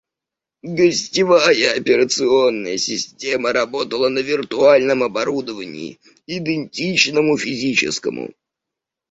Гостевая операционная система работала на виртуальном оборудовании, идентичному физическому